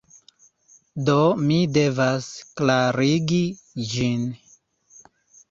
Do, mi devas klarigi ĝin.